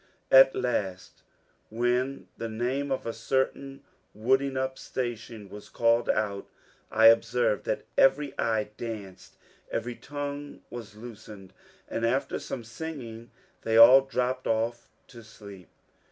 At last, when the name of a certain wooding up station was called out, I observed that every eye danced, every tongue was loosened, and after some singing they all dropped off to sleep.